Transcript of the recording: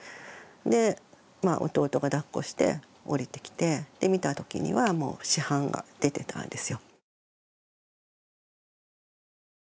弟がだっこして下りてきて見たときにはもう死斑が出てたんですよ。